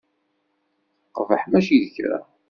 Teqbeḥ mačči d kra.